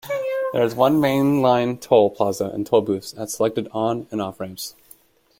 There is one mainline toll plaza and toll booths at selected on- and off-ramps.